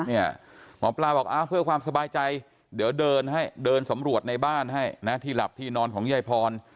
หมอปลาบอกเพื่อความสบายใจเดี๋ยวเดินให้เดินสำรวจในบ้านให้นะที่หลับที่นอนของยายพร